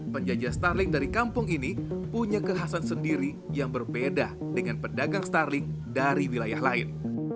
penjajah starling dari kampung ini punya kekhasan sendiri yang berbeda dengan pedagang starling dari wilayah lain